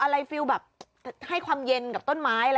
อะไรฟิลแบบให้ความเย็นกับต้นไม้อะไร